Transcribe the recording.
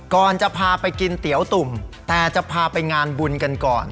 ก่อนจะพาไปกินเตี๋ยวตุ่มแต่จะพาไปงานบุญกันก่อน